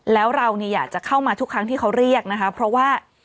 แล้วเราเนี่ยอยากจะเข้ามาทุกครั้งที่เขาเรียกนะคะเพราะว่า